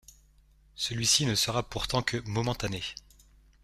Celui-ci ne sera pourtant que momentané.